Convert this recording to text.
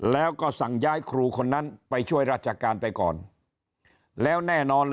แล้วก็สั่งย้ายครูคนนั้นไปช่วยราชการไปก่อนแล้วแน่นอน